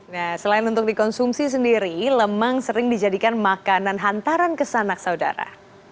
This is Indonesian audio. nah selain untuk dikonsumsi sendiri lemang sering dijadikan makanan hantaran ke sanak saudara